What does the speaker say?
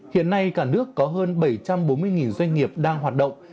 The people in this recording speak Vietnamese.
hiện nay cả nước có hơn bảy trăm bốn mươi doanh nghiệp đang hoạt động